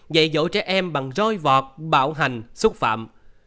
dạy dỗ trẻ em bằng roi vọt bạo hành xúc phạm